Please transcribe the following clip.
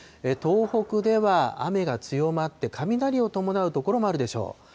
東北では雨が強まって、雷を伴う所もあるでしょう。